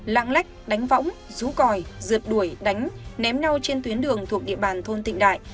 lạng lách đánh võng rú còi rượt đuổi đánh ném nhau trên tuyến đường thuộc địa bàn thôn tịnh đại